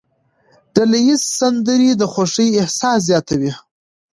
ډلهییزې سندرې د خوښۍ احساس زیاتوي.